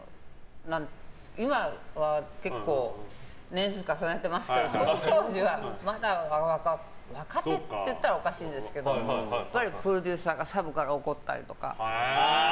今は結構、年数重ねてますけど昔は、若手っていったらおかしいですけどプロデューサーがサブから怒ったりとか。